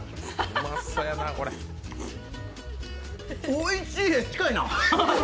おいしい、近いな。